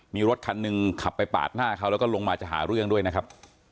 มีรถคันหนึ่งขับไปปาดหน้าเขาแล้วก็ลงมาจะหาเรื่องด้วยนะครับ